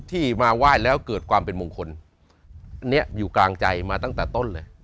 ที่มาไหว้แล้วเกิดความเป็นมงคลอันนี้อยู่กลางใจมาตั้งแต่ต้นเลย